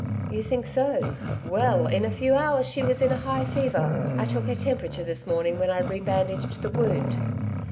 'You think so well in a few hours she was in a high fever. I took her temperature this morning when I re bandaged the wound.'